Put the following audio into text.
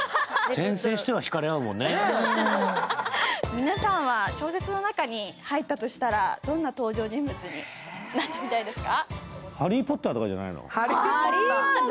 皆さんは小説の中に入ったとしたら、どんな登場人物になってみたいですか？